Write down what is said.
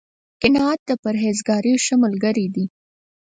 قناعت، د پرهېزکارۍ ښه ملګری دی